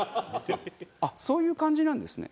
あっそういう感じなんですね。